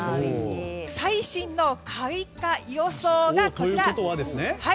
最新の開花予想がこちら。